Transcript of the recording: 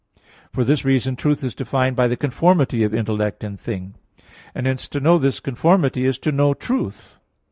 For this reason truth is defined by the conformity of intellect and thing; and hence to know this conformity is to know truth.